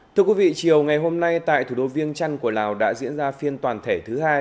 thưa quý vị chiều ngày hôm nay tại thủ đô viêng trăn của lào đã diễn ra phiên toàn thể thứ hai